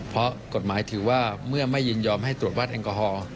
เพราะกฎหมายถือว่าเมื่อไม่ยินยอมให้ตรวจวัดแอลกอฮอล์